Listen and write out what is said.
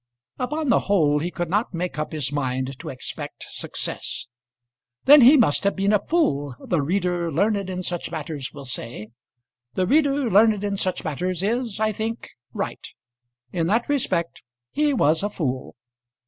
Upon the whole, he could not make up his mind to expect success. "Then he must have been a fool!" the reader learned in such matters will say. The reader learned in such matters is, I think, right. In that respect he was a fool.